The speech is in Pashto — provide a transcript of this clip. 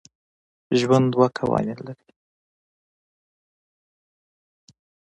ژوند دوه قوانین لري.